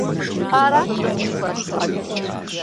Арат дыкъызыхуэтыр…